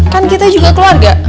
kan kita juga keluarga